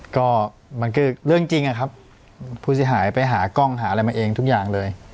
ก็มันคือเรื่องจริงอะครับผู้เสียหายไปหากล้องหาอะไรมาเองทุกอย่างเลย